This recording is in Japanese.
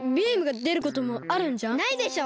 ないでしょ！